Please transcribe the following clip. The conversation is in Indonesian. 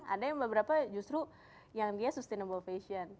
ada yang beberapa justru yang dia sustainable fashion